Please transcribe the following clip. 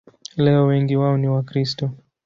Leo wengi wao ni Wakristo.